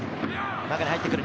中に入ってくる。